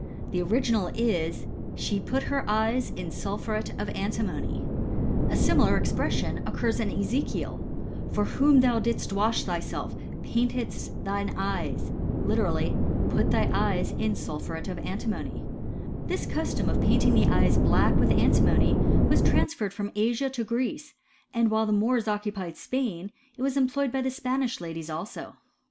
The original is, she put her eyes in sulphuret of antimony * A similar expression occurs in Ezekiel, " For whom thou didst wash thyself, paintedst thy eyes" — ^literally, put thy eyes in sulphuret of antimony, f ^This custom of painting the eyes black with antimony was trans* ferred from Asia to Greece, and while the Moors oc cupied Spain it was employed by the Spanish ladies also.